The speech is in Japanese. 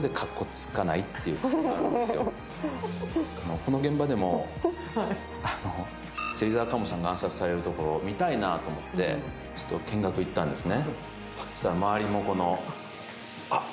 この現場手も芹沢鴨さんが暗殺されるところが見たいなと思って、見学行ったんですね。